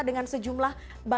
dengan sejumlah barang